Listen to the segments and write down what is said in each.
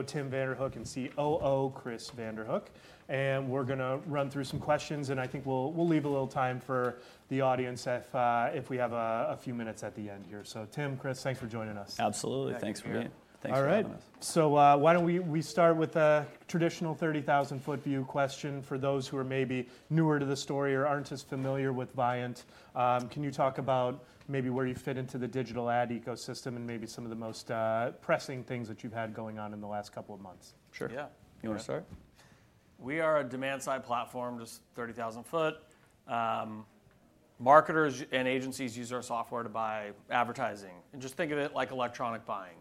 CEO Tim Vanderhook and COO Chris Vanderhook. And we're going to run through some questions, and I think we'll leave a little time for the audience if we have a few minutes at the end here. So Tim, Chris, thanks for joining us. Absolutely. Thanks for being here. Thanks for having us. All right. So why don't we start with a traditional 30,000-foot view question for those who are maybe newer to the story or aren't as familiar with Viant. Can you talk about maybe where you fit into the digital ad ecosystem and maybe some of the most pressing things that you've had going on in the last couple of months? Sure. Yeah. You want to start? We are a demand-side platform, just 30,000-foot. Marketers and agencies use our software to buy advertising. Just think of it like electronic buying.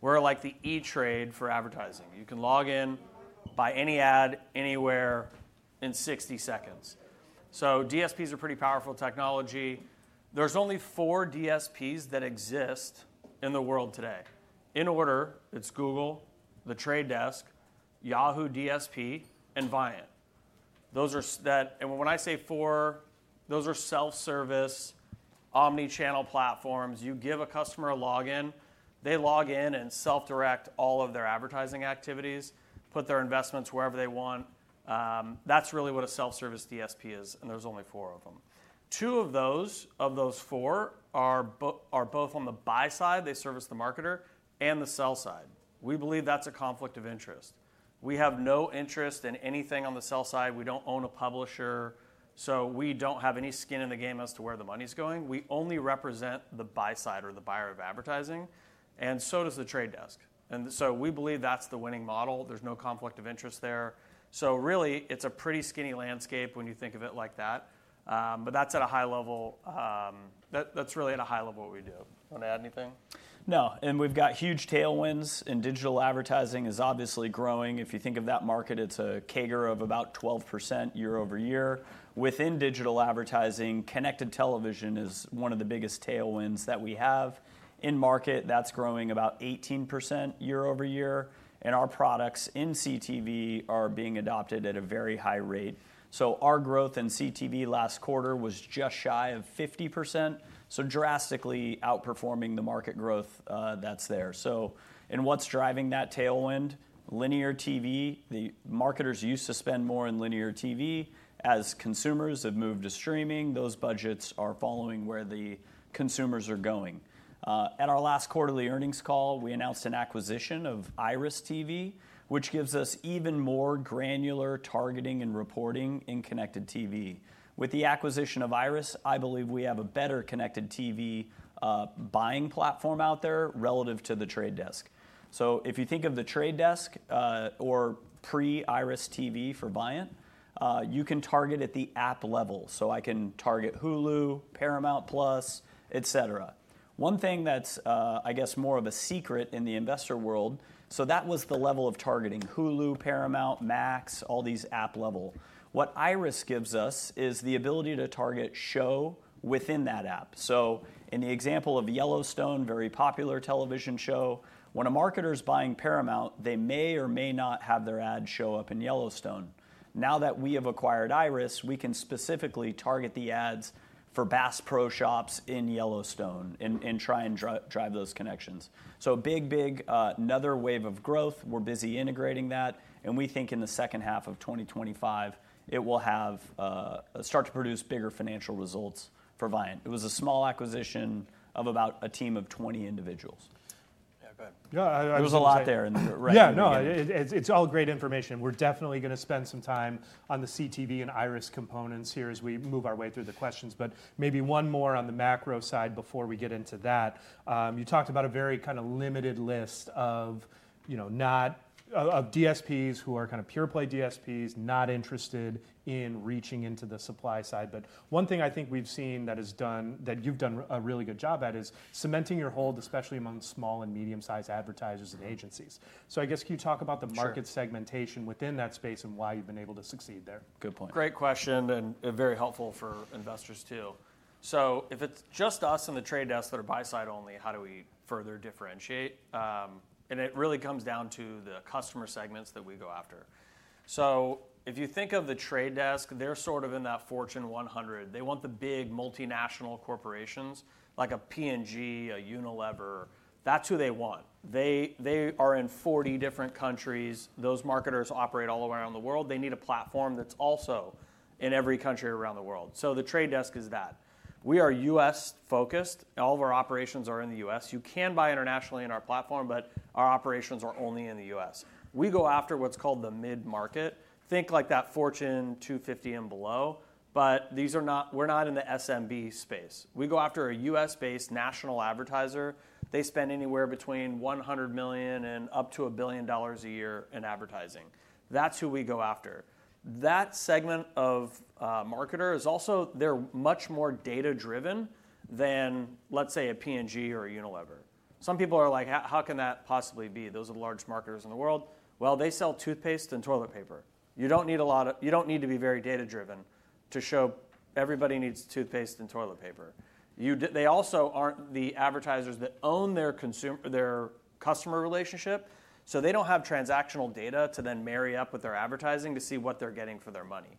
We're like the E-Trade for advertising. You can log in, buy any ad anywhere in 60 seconds. DSPs are a pretty powerful technology. There's only four DSPs that exist in the world today in order: it's Google, The Trade Desk, Yahoo DSP, and Viant. When I say four, those are self-service omnichannel platforms. You give a customer a log in, they log in and self-direct all of their advertising activities, put their investments wherever they want. That's really what a self-service DSP is, and there's only four of them. Two of those four are both on the buy side. They service the marketer and the sell side. We believe that's a conflict of interest. We have no interest in anything on the sell side. We don't own a publisher, so we don't have any skin in the game as to where the money's going. We only represent the buy side or the buyer of advertising, and so does The Trade Desk, and so we believe that's the winning model. There's no conflict of interest there, so really it's a pretty skinny landscape when you think of it like that, but that's at a high level. That's really at a high level what we do. Want to add anything? No. And we've got huge tailwinds, and digital advertising is obviously growing. If you think of that market, it's a CAGR of about 12% year over year. Within digital advertising, connected television is one of the biggest tailwinds that we have. In market, that's growing about 18% year over year. And our products in CTV are being adopted at a very high rate. So our growth in CTV last quarter was just shy of 50%, so drastically outperforming the market growth that's there. So what's driving that tailwind? Linear TV. The marketers used to spend more in linear TV. As consumers have moved to streaming, those budgets are following where the consumers are going. At our last quarterly earnings call, we announced an acquisition of IRIS.TV, which gives us even more granular targeting and reporting in connected TV. With the acquisition of IRIS.TV, I believe we have a better connected TV buying platform out there relative to The Trade Desk. So if you think of The Trade Desk or pre-IRIS.TV for Viant, you can target at the app level. So I can target Hulu, Paramount+, et cetera. One thing that's, I guess, more of a secret in the investor world, so that was the level of targeting: Hulu, Paramount+, Max, all these app level. What IRIS.TV gives us is the ability to target show within that app. So in the example of Yellowstone, a very popular television show, when a marketer's buying Paramount+, they may or may not have their ad show up in Yellowstone. Now that we have acquired IRIS.TV, we can specifically target the ads for Bass Pro Shops in Yellowstone and try and drive those connections. So big, big, another wave of growth. We're busy integrating that, and we think in the second half of 2025, it will start to produce bigger financial results for Viant. It was a small acquisition of about a team of 20 individuals. Yeah, go ahead. There was a lot there. Yeah, no, it's all great information. We're definitely going to spend some time on the CTV and IRIS.TV components here as we move our way through the questions. But maybe one more on the macro side before we get into that. You talked about a very kind of limited list of DSPs who are kind of pure-play DSPs, not interested in reaching into the supply side. But one thing I think we've seen that you've done a really good job at is cementing your hold, especially among small and medium-sized advertisers and agencies. So I guess can you talk about the market segmentation within that space and why you've been able to succeed there? Good point. Great question and very helpful for investors too. So if it's just us and The Trade Desk that are buy-side only, how do we further differentiate? And it really comes down to the customer segments that we go after. So if you think of The Trade Desk, they're sort of in that Fortune 100. They want the big multinational corporations like a P&G, a Unilever. That's who they want. They are in 40 different countries. Those marketers operate all around the world. They need a platform that's also in every country around the world. So The Trade Desk is that. We are U.S.-focused. All of our operations are in the U.S. You can buy internationally in our platform, but our operations are only in the U.S. We go after what's called the mid-market. Think like that Fortune 250 and below. But we're not in the SMB space. We go after a U.S.-based national advertiser. They spend anywhere between $100 million and up to $1 billion a year in advertising. That's who we go after. That segment of marketer is also much more data-driven than, let's say, a P&G or a Unilever. Some people are like, "How can that possibly be? Those are the largest marketers in the world." Well, they sell toothpaste and toilet paper. You don't need to be very data-driven to show everybody needs toothpaste and toilet paper. They also aren't the advertisers that own their customer relationship, so they don't have transactional data to then marry up with their advertising to see what they're getting for their money,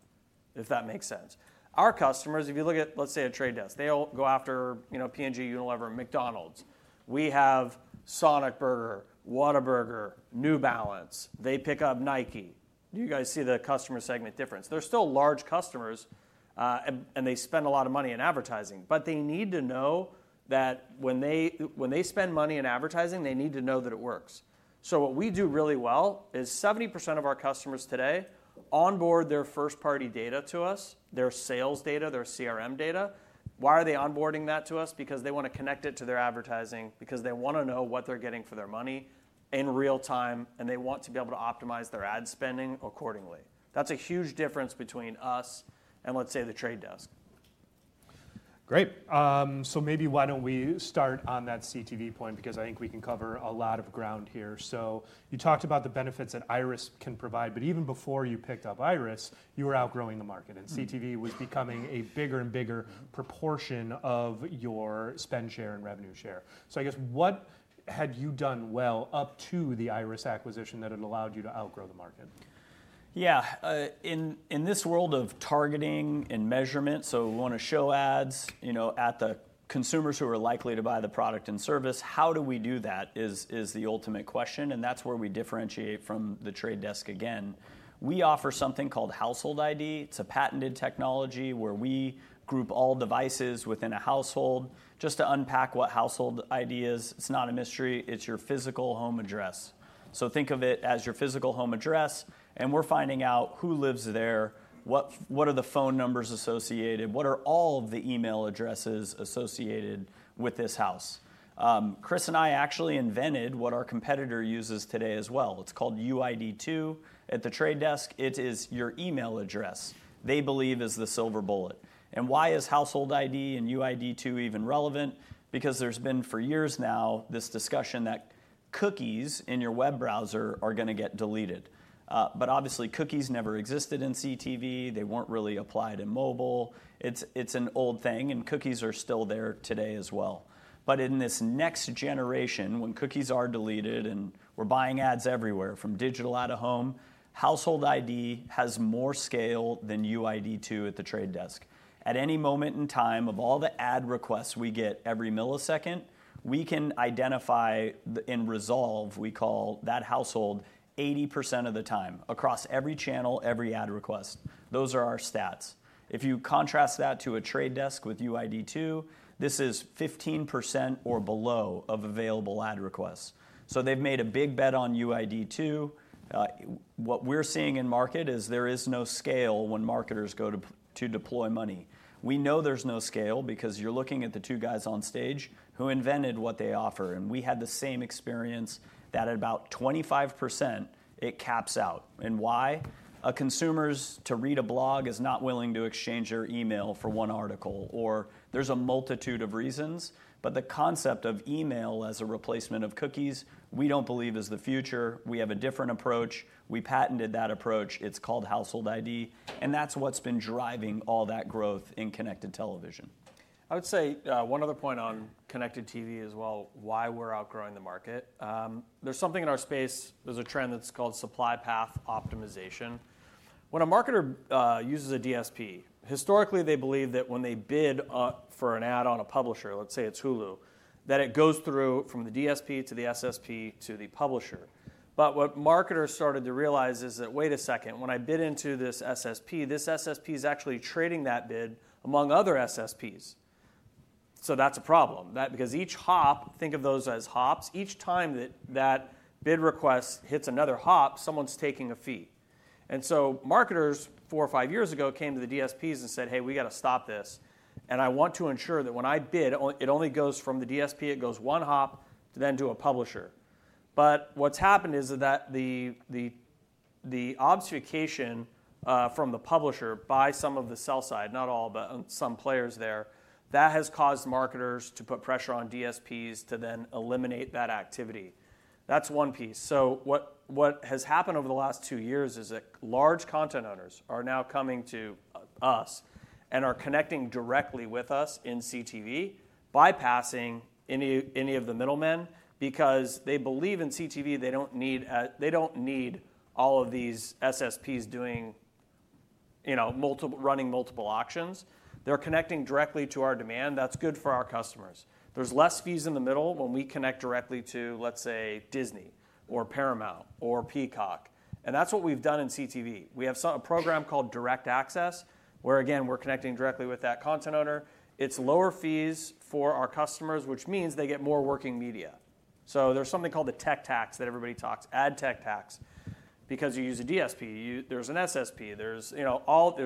if that makes sense. Our customers, if you look at, let's say, The Trade Desk, they'll go after P&G, Unilever, McDonald's. We have Sonic Burger, Whataburger, New Balance. They pick up Nike. Do you guys see the customer segment difference? They're still large customers, and they spend a lot of money in advertising. But they need to know that when they spend money in advertising, they need to know that it works. So what we do really well is 70% of our customers today onboard their first-party data to us, their sales data, their CRM data. Why are they onboarding that to us? Because they want to connect it to their advertising, because they want to know what they're getting for their money in real time, and they want to be able to optimize their ad spending accordingly. That's a huge difference between us and, let's say, The Trade Desk. Great. So maybe why don't we start on that CTV point, because I think we can cover a lot of ground here. So you talked about the benefits that Iris can provide. But even before you picked up Iris, you were outgrowing the market, and CTV was becoming a bigger and bigger proportion of your spend share and revenue share. So I guess what had you done well up to the Iris acquisition that had allowed you to outgrow the market? Yeah. In this world of targeting and measurement, so we want to show ads at the consumers who are likely to buy the product and service. How do we do that is the ultimate question. And that's where we differentiate from The Trade Desk again. We offer something called Household ID. It's a patented technology where we group all devices within a household. Just to unpack what Household ID is, it's not a mystery. It's your physical home address. So think of it as your physical home address, and we're finding out who lives there, what are the phone numbers associated, what are all of the email addresses associated with this house. Chris and I actually invented what our competitor uses today as well. It's called UID2. At The Trade Desk, it is your email address, they believe, is the silver bullet. Why is Household ID and UID2 even relevant? Because there's been for years now this discussion that cookies in your web browser are going to get deleted. But obviously, cookies never existed in CTV. They weren't really applied in mobile. It's an old thing, and cookies are still there today as well. But in this next generation, when cookies are deleted and we're buying ads everywhere, from digital out of home, Household ID has more scale than UID2 at The Trade Desk. At any moment in time of all the ad requests we get every millisecond, we can identify and resolve. We call that household 80% of the time across every channel, every ad request. Those are our stats. If you contrast that to The Trade Desk with UID2, this is 15% or below of available ad requests. So they've made a big bet on UID2. What we're seeing in market is there is no scale when marketers go to deploy money. We know there's no scale because you're looking at the two guys on stage who invented what they offer. And we had the same experience that at about 25%, it caps out. And why? A consumer to read a blog is not willing to exchange their email for one article, or there's a multitude of reasons. But the concept of email as a replacement of cookies, we don't believe is the future. We have a different approach. We patented that approach. It's called Household ID. And that's what's been driving all that growth in connected television. I would say one other point on connected TV as well, why we're outgrowing the market. There's something in our space. There's a trend that's called supply path optimization. When a marketer uses a DSP, historically, they believe that when they bid for an ad on a publisher, let's say it's Hulu, that it goes through from the DSP to the SSP to the publisher. But what marketers started to realize is that, wait a second, when I bid into this SSP, this SSP is actually trading that bid among other SSPs. So that's a problem. Because each hop, think of those as hops, each time that bid request hits another hop, someone's taking a fee. And so marketers four or five years ago came to the DSPs and said, "Hey, we got to stop this. And I want to ensure that when I bid, it only goes from the DSP. It goes one hop, then to a publisher." But what's happened is that the obfuscation from the publisher by some of the sell side, not all, but some players there, has caused marketers to put pressure on DSPs to then eliminate that activity. That's one piece. So what has happened over the last two years is that large content owners are now coming to us and are connecting directly with us in CTV, bypassing any of the middlemen, because they believe in CTV. They don't need all of these SSPs running multiple auctions. They're connecting directly to our demand. That's good for our customers. There's less fees in the middle when we connect directly to, let's say, Disney or Paramount or Peacock. And that's what we've done in CTV. We have a program called Direct Access, where, again, we're connecting directly with that content owner. It's lower fees for our customers, which means they get more working media. So there's something called the tech tax that everybody talks, ad tech tax, because you use a DSP. There's an SSP. There's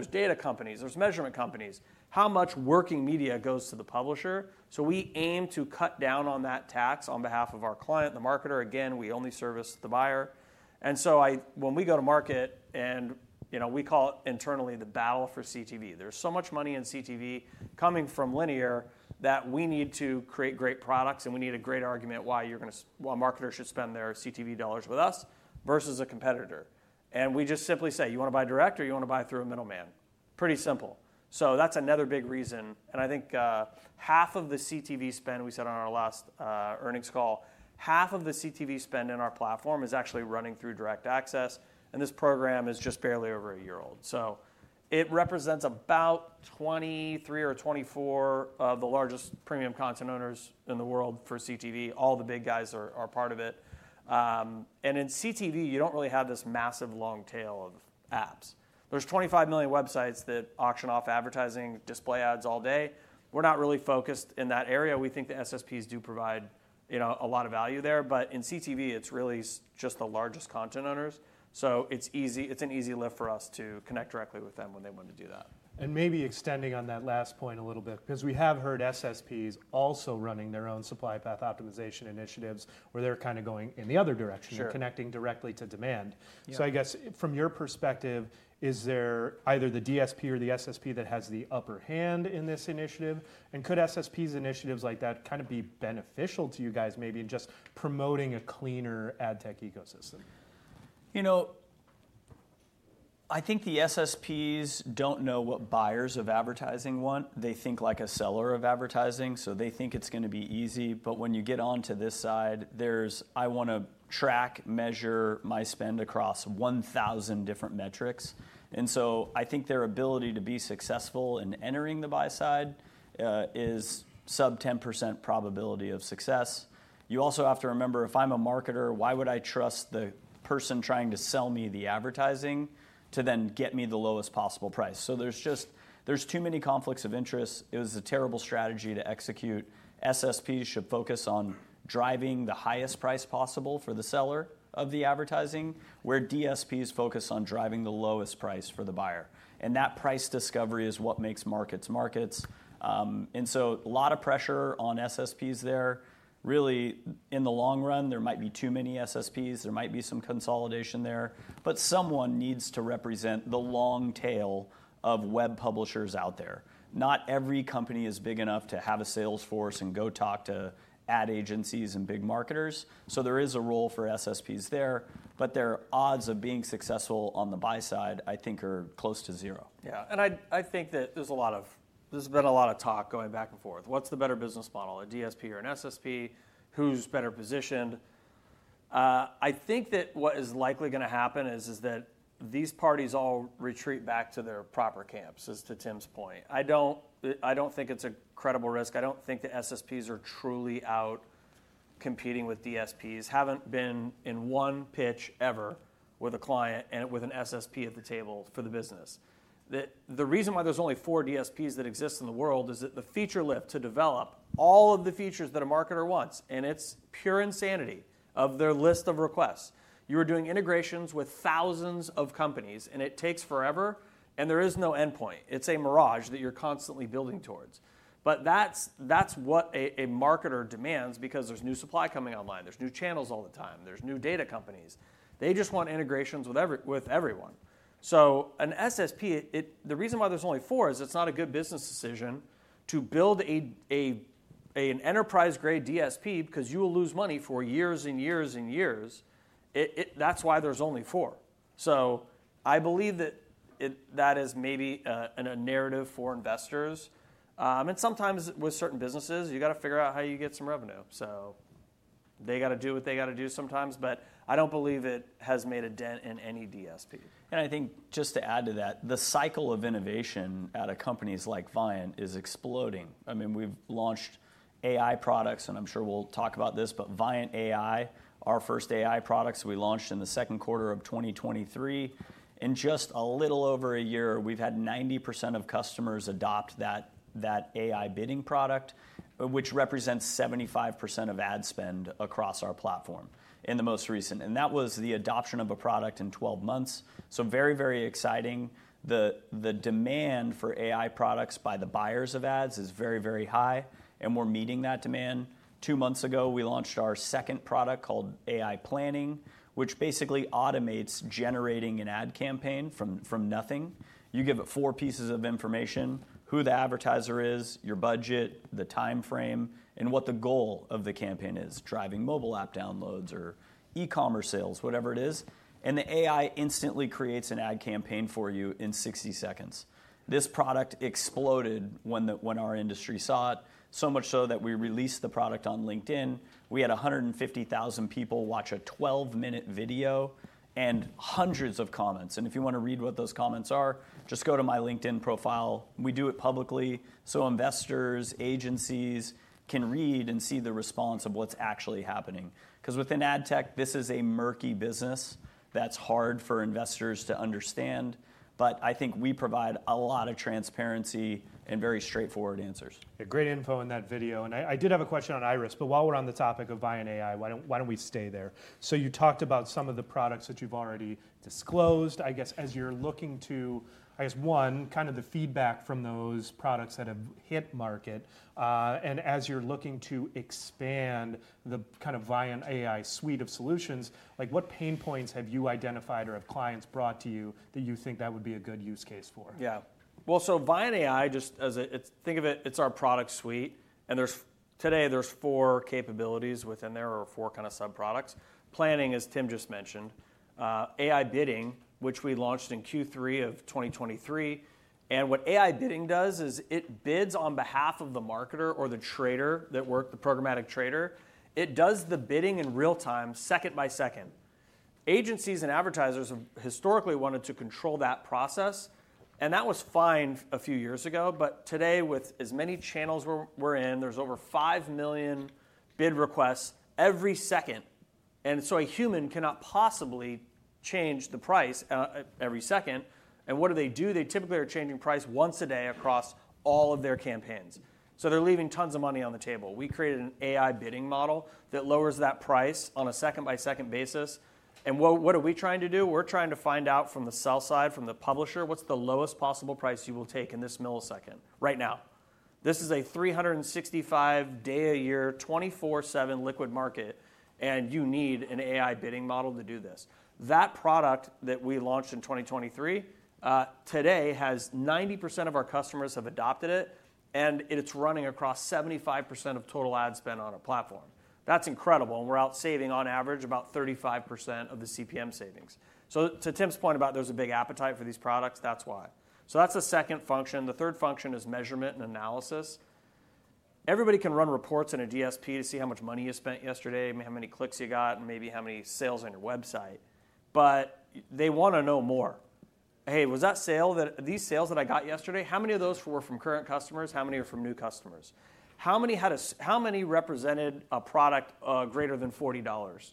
data companies. There's measurement companies. How much working media goes to the publisher? So we aim to cut down on that tax on behalf of our client, the marketer. Again, we only service the buyer. And so when we go to market, and we call it internally the battle for CTV, there's so much money in CTV coming from linear that we need to create great products, and we need a great argument why a marketer should spend their CTV dollars with us versus a competitor. And we just simply say, "You want to buy direct or you want to buy through a middleman?" Pretty simple. So that's another big reason. And I think half of the CTV spend we said on our last earnings call, half of the CTV spend in our platform is actually running through Direct Access. And this program is just barely over a year old. So it represents about 23 or 24 of the largest premium content owners in the world for CTV. All the big guys are part of it. And in CTV, you don't really have this massive long tail of apps. There's 25 million websites that auction off advertising, display ads all day. We're not really focused in that area. We think the SSPs do provide a lot of value there. But in CTV, it's really just the largest content owners. So it's an easy lift for us to connect directly with them when they want to do that. And maybe extending on that last point a little bit, because we have heard SSPs also running their own supply path optimization initiatives where they're kind of going in the other direction. They're connecting directly to demand. So I guess from your perspective, is there either the DSP or the SSP that has the upper hand in this initiative? And could SSPs' initiatives like that kind of be beneficial to you guys maybe in just promoting a cleaner ad tech ecosystem? You know, I think the SSPs don't know what buyers of advertising want. They think like a seller of advertising. So they think it's going to be easy. But when you get onto this side, there's "I want to track, measure my spend across 1,000 different metrics." And so I think their ability to be successful in entering the buy side is sub 10% probability of success. You also have to remember, if I'm a marketer, why would I trust the person trying to sell me the advertising to then get me the lowest possible price? So there's too many conflicts of interest. It was a terrible strategy to execute. SSPs should focus on driving the highest price possible for the seller of the advertising, where DSPs focus on driving the lowest price for the buyer. And that price discovery is what makes markets markets. And so a lot of pressure on SSPs there. Really, in the long run, there might be too many SSPs. There might be some consolidation there. But someone needs to represent the long tail of web publishers out there. Not every company is big enough to have a sales force and go talk to ad agencies and big marketers. So there is a role for SSPs there. But their odds of being successful on the buy side, I think, are close to zero. Yeah. And I think that there's been a lot of talk going back and forth. What's the better business model, a DSP or an SSP? Who's better positioned? I think that what is likely going to happen is that these parties all retreat back to their proper camps, as to Tim's point. I don't think it's a credible risk. I don't think the SSPs are truly out competing with DSPs, haven't been in one pitch ever with a client and with an SSP at the table for the business. The reason why there's only four DSPs that exist in the world is that the feature lift to develop all of the features that a marketer wants, and it's pure insanity of their list of requests. You're doing integrations with thousands of companies, and it takes forever. And there is no endpoint. It's a mirage that you're constantly building towards. But that's what a marketer demands because there's new supply coming online. There's new channels all the time. There's new data companies. They just want integrations with everyone. So an SSP, the reason why there's only four is it's not a good business decision to build an enterprise-grade DSP because you will lose money for years and years and years. That's why there's only four. So I believe that that is maybe a narrative for investors. And sometimes with certain businesses, you got to figure out how you get some revenue. So they got to do what they got to do sometimes. But I don't believe it has made a dent in any DSP. I think just to add to that, the cycle of innovation at a company like Viant is exploding. I mean, we've launched AI products, and I'm sure we'll talk about this, but Viant AI, our first AI products, we launched in the second quarter of 2023. In just a little over a year, we've had 90% of customers adopt that AI bidding product, which represents 75% of ad spend across our platform in the most recent. That was the adoption of a product in 12 months. Very, very exciting. The demand for AI products by the buyers of ads is very, very high. We're meeting that demand. Two months ago, we launched our second product called AI Planning, which basically automates generating an ad campaign from nothing. You give it four pieces of information: who the advertiser is, your budget, the time frame, and what the goal of the campaign is, driving mobile app downloads or e-commerce sales, whatever it is. And the AI instantly creates an ad campaign for you in 60 seconds. This product exploded when our industry saw it, so much so that we released the product on LinkedIn. We had 150,000 people watch a 12-minute video and hundreds of comments. And if you want to read what those comments are, just go to my LinkedIn profile. We do it publicly so investors, agencies can read and see the response of what's actually happening. Because within ad tech, this is a murky business that's hard for investors to understand. But I think we provide a lot of transparency and very straightforward answers. Yeah, great info in that video. And I did have a question on IRIS.TV. But while we're on the topic of Viant AI, why don't we stay there? So you talked about some of the products that you've already disclosed, I guess, as you're looking to, I guess, one, kind of the feedback from those products that have hit market. And as you're looking to expand the kind of Viant AI suite of solutions, what pain points have you identified or have clients brought to you that you think that would be a good use case for? Yeah. Well, so Viant AI, just think of it, it's our product suite. And today, there's four capabilities within there or four kind of sub-products. Planning, as Tim just mentioned, AI bidding, which we launched in Q3 of 2023. And what AI bidding does is it bids on behalf of the marketer or the trader that worked, the programmatic trader. It does the bidding in real time, second by second. Agencies and advertisers have historically wanted to control that process. And that was fine a few years ago. But today, with as many channels we're in, there's over 5 million bid requests every second. And so a human cannot possibly change the price every second. And what do they do? They typically are changing price once a day across all of their campaigns. So they're leaving tons of money on the table. We created an AI bidding model that lowers that price on a second-by-second basis. And what are we trying to do? We're trying to find out from the sell side, from the publisher, what's the lowest possible price you will take in this millisecond right now. This is a 365-day-a-year, 24/7 liquid market. And you need an AI bidding model to do this. That product that we launched in 2023, today, 90% of our customers have adopted it. And it's running across 75% of total ad spend on a platform. That's incredible. And we're out saving on average about 35% of the CPM savings. So to Tim's point about there's a big appetite for these products, that's why. So that's a second function. The third function is measurement and analysis. Everybody can run reports in a DSP to see how much money you spent yesterday, how many clicks you got, and maybe how many sales on your website. But they want to know more. Hey, was that sale? These sales that I got yesterday, how many of those were from current customers? How many are from new customers? How many represented a product greater than $40?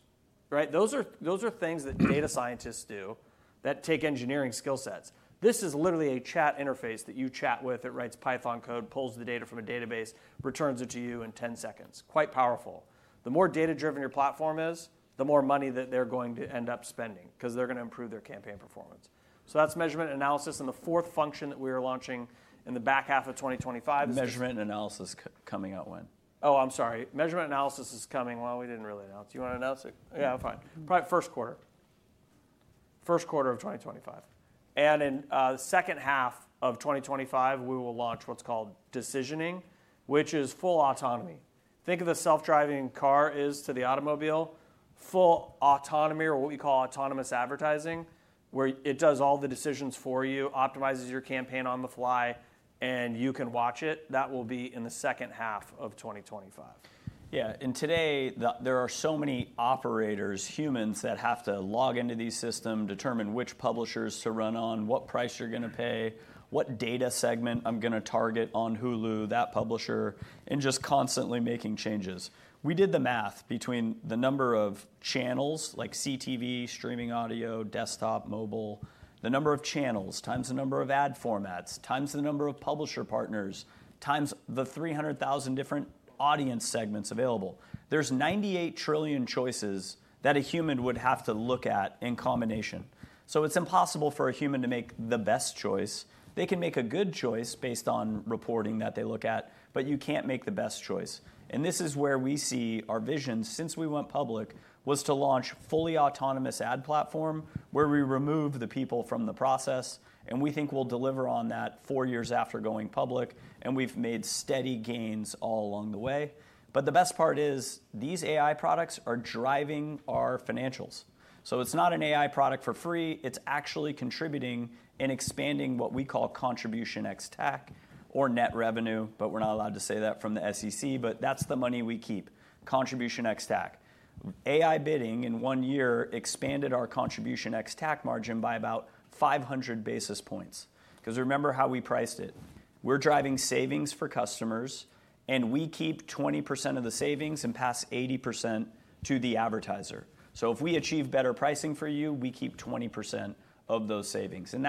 Right? Those are things that data scientists do that take engineering skill sets. This is literally a chat interface that you chat with. It writes Python code, pulls the data from a database, returns it to you in 10 seconds. Quite powerful. The more data-driven your platform is, the more money that they're going to end up spending because they're going to improve their campaign performance. So that's measurement and analysis. The fourth function that we are launching in the back half of 2025. Measurement and analysis coming out when? Oh, I'm sorry. Measurement and analysis is coming. Well, we didn't really announce. You want to announce it? Yeah, fine. Probably first quarter. First quarter of 2025. And in the second half of 2025, we will launch what's called decisioning, which is full autonomy. Think of the self-driving car is to the automobile. Full autonomy, or what we call autonomous advertising, where it does all the decisions for you, optimizes your campaign on the fly, and you can watch it. That will be in the second half of 2025. Yeah. And today, there are so many operators, humans, that have to log into these systems, determine which publishers to run on, what price you're going to pay, what data segment I'm going to target on Hulu, that publisher, and just constantly making changes. We did the math between the number of channels, like CTV, streaming audio, desktop, mobile, the number of channels times the number of ad formats, times the number of publisher partners, times the 300,000 different audience segments available. There's 98 trillion choices that a human would have to look at in combination. So it's impossible for a human to make the best choice. They can make a good choice based on reporting that they look at. But you can't make the best choice. This is where we see our vision since we went public was to launch a fully autonomous ad platform where we remove the people from the process. We think we'll deliver on that four years after going public. We've made steady gains all along the way. The best part is these AI products are driving our financials. It's not an AI product for free. It's actually contributing and expanding what we call contribution ex-TAC or net revenue. We're not allowed to say that from the SEC. That's the money we keep, contribution ex-TAC. AI Bidding in one year expanded our contribution ex-TAC margin by about 500 basis points. Because remember how we priced it? We're driving savings for customers. We keep 20% of the savings and pass 80% to the advertiser. So if we achieve better pricing for you, we keep 20% of those savings. And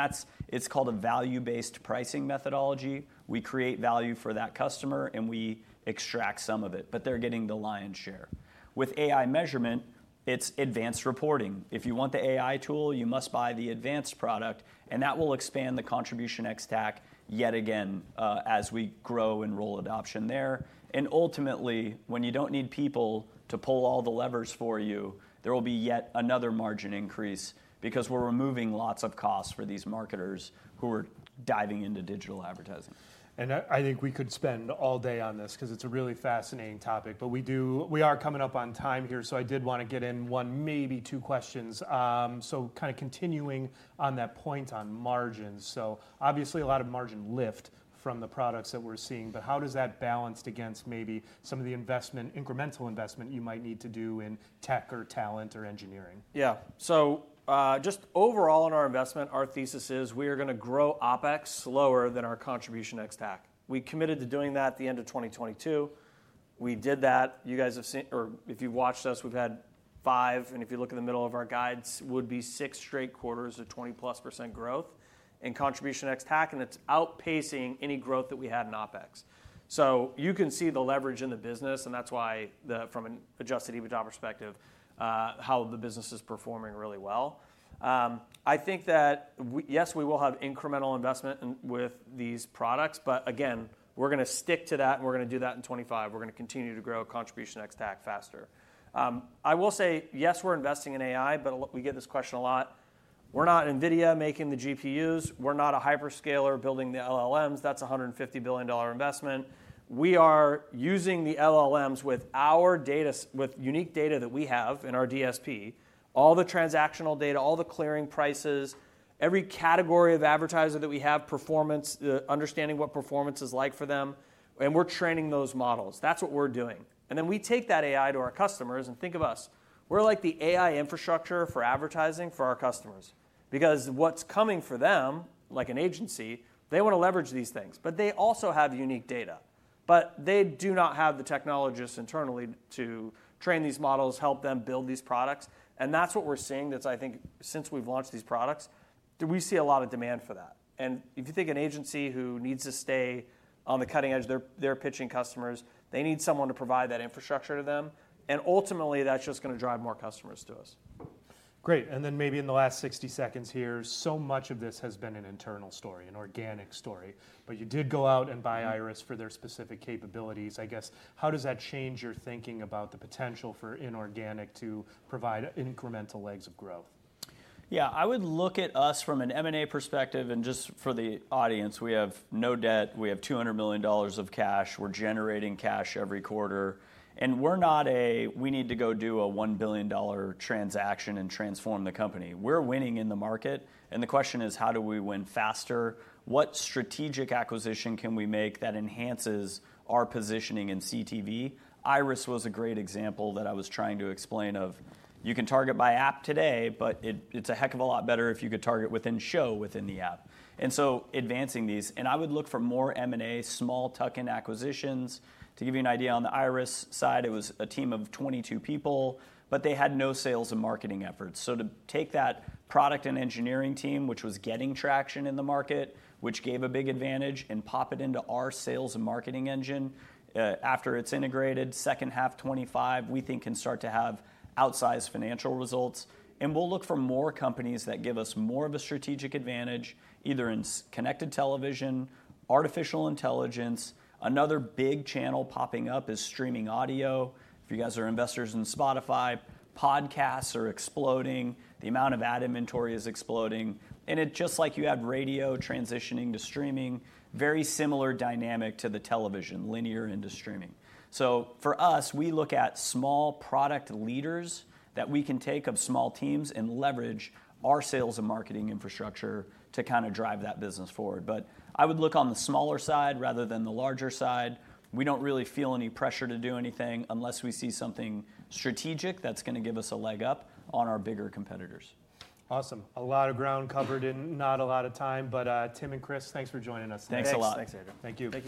it's called a value-based pricing methodology. We create value for that customer, and we extract some of it. But they're getting the lion's share. With AI measurement, it's advanced reporting. If you want the AI tool, you must buy the advanced product. And that will expand the contribution ex-TAC yet again as we grow and roll adoption there. And ultimately, when you don't need people to pull all the levers for you, there will be yet another margin increase because we're removing lots of costs for these marketers who are diving into digital advertising. I think we could spend all day on this because it's a really fascinating topic. We are coming up on time here. I did want to get in one, maybe two questions. Kind of continuing on that point on margins. Obviously, a lot of margin lift from the products that we're seeing. How does that balance against maybe some of the investment, incremental investment you might need to do in tech or talent or engineering? Yeah. So just overall in our investment, our thesis is we are going to grow OPEX slower than our contribution ex-TAC. We committed to doing that at the end of 2022. We did that. You guys have seen, or if you've watched us, we've had five. And if you look at the middle of our guides, it would be six straight quarters of 20-plus% growth in contribution ex-TAC. And it's outpacing any growth that we had in OPEX. So you can see the leverage in the business. And that's why, from an adjusted EBITDA perspective, how the business is performing really well. I think that, yes, we will have incremental investment with these products. But again, we're going to stick to that. And we're going to do that in 2025. We're going to continue to grow contribution ex-TAC faster. I will say, yes, we're investing in AI. But we get this question a lot. We're not NVIDIA making the GPUs. We're not a hyperscaler building the LLMs. That's a $150 billion investment. We are using the LLMs with our data, with unique data that we have in our DSP, all the transactional data, all the clearing prices, every category of advertiser that we have, performance, understanding what performance is like for them. And we're training those models. That's what we're doing. And then we take that AI to our customers. And think of us. We're like the AI infrastructure for advertising for our customers. Because what's coming for them, like an agency, they want to leverage these things. But they also have unique data. But they do not have the technologists internally to train these models, help them build these products. And that's what we're seeing, I think, since we've launched these products, we see a lot of demand for that. And if you think an agency who needs to stay on the cutting edge, they're pitching customers, they need someone to provide that infrastructure to them. And ultimately, that's just going to drive more customers to us. Great. And then maybe in the last 60 seconds here, so much of this has been an internal story, an organic story. But you did go out and buy IRIS.TV for their specific capabilities. I guess, how does that change your thinking about the potential for inorganic to provide incremental legs of growth? Yeah. I would look at us from an M&A perspective. And just for the audience, we have no debt. We have $200 million of cash. We're generating cash every quarter. And we're not a, we need to go do a $1 billion transaction and transform the company. We're winning in the market. And the question is, how do we win faster? What strategic acquisition can we make that enhances our positioning in CTV? IRIS.TV was a great example that I was trying to explain of you can target by app today. But it's a heck of a lot better if you could target within show within the app. And so advancing these. And I would look for more M&A, small tuck-in acquisitions. To give you an idea on the IRIS.TV side, it was a team of 22 people. But they had no sales and marketing efforts. So to take that product and engineering team, which was getting traction in the market, which gave a big advantage, and pop it into our sales and marketing engine after it's integrated, second half 2025, we think can start to have outsized financial results. And we'll look for more companies that give us more of a strategic advantage, either in connected television, artificial intelligence. Another big channel popping up is streaming audio. If you guys are investors in Spotify, podcasts are exploding. The amount of ad inventory is exploding. And it's just like you have radio transitioning to streaming, very similar dynamic to the television, linear into streaming. So for us, we look at small product leaders that we can take of small teams and leverage our sales and marketing infrastructure to kind of drive that business forward. But I would look on the smaller side rather than the larger side. We don't really feel any pressure to do anything unless we see something strategic that's going to give us a leg up on our bigger competitors. Awesome. A lot of ground covered in not a lot of time. But Tim and Chris, thanks for joining us today. Thanks a lot. Thanks, Andrew. Thank you.